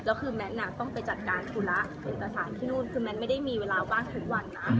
แล้วคือแมทต้องไปจัดการธุระเอกสารที่นู่นคือแมทไม่ได้มีเวลาว่างทุกวันนะ